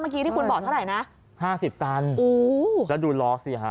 เมื่อกี้ที่คุณบอกเท่าไหร่นะห้าสิบตันอู้แล้วดูล้อสิฮะ